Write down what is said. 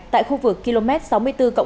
tại khu vực km sáu mươi bốn cộng một trăm linh